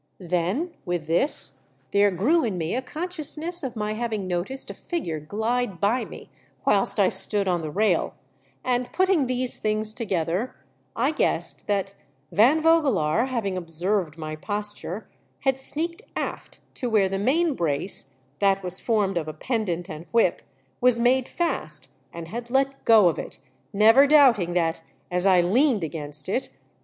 Then, with this, there grew in me a consciousness of my having noticed a figure glide by me whilst I stood on the rail ; and, putting these things together, I guessed that Van Vogelaar, having observed my posture, had sneaked aft to where the main brace — that was formed of a pendant and whip — was made fast and had let go of it, never doubting that, as I leaned against it, Y 322 THE DEATH SHIP.